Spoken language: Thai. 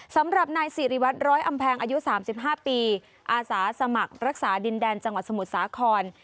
สำหรับนายสิริวัตรร้อยอำแพงอายุ๓๕ปีอาสาสมัครรักษาดินแดนจังหวัดสมุทรสาคร